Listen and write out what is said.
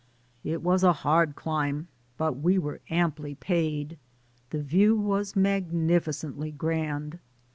It was a hard climb, but we were amply paid. The view was magnificently grand.